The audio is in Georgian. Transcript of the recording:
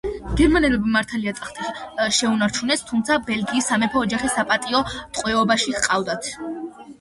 გერმანელებმა მართალია ტახტი შეუნარჩუნეს, თუმცა ბელგიის სამეფო ოჯახი საპატიო ტყვეობაში ჰყავდათ.